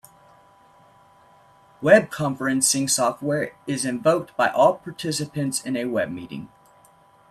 Web conferencing software is invoked by all participants in a web meeting.